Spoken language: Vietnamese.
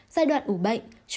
giai đoạn ủ bệnh